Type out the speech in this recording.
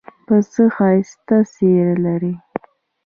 پسه ښایسته څېره لري.